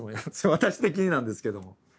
私的になんですけども。